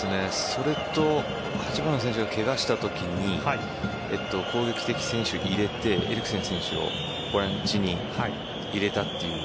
それと８番の選手がケガしたときに攻撃的選手を入れてエリクセン選手をボランチに入れたという。